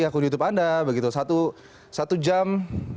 akun youtube anda begitu satu jam